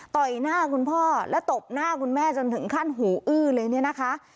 หน้าคุณพ่อและตบหน้าคุณแม่จนถึงขั้นหูอื้อเลยเนี่ยนะคะ